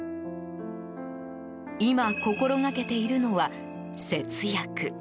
今、心がけているのは節約。